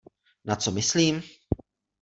Na co myslím?